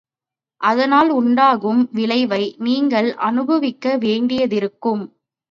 அதனால் உண்டாகும் விளைவை, நீங்கள் அனுபவிக்க வேண்டியதிருக்கும்.